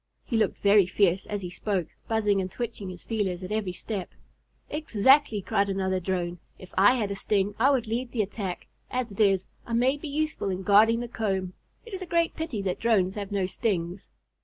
He looked very fierce as he spoke, buzzing and twitching his feelers at every step. "Exactly!" cried another Drone. "If I had a sting, I would lead the attack. As it is, I may be useful in guarding the comb. It is a great pity that Drones have no stings."